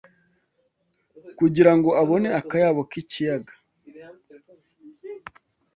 kugirango abone akayabo k'ikiyaga